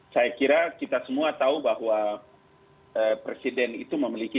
saya kira kita semua tahu bahwa presiden itu memiliki